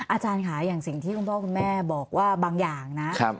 อาจารย์ค่ะอย่างสิ่งที่คุณพ่อคุณแม่บอกว่าบางอย่างนะ